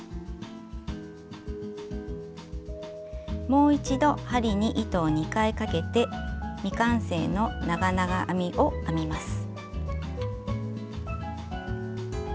もう一度針に糸を２回かけて未完成の長々編みを編みます。